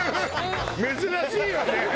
珍しいわね。